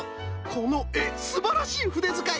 このえすばらしいふでづかいおみごと！